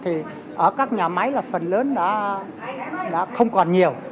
thì ở các nhà máy là phần lớn đã không còn nhiều